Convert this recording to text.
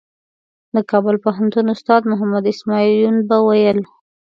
د کابل پوهنتون استاد محمد اسمعیل یون به ویل.